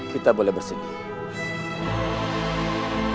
kita boleh bersedih